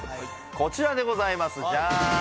こちらでございますジャーン！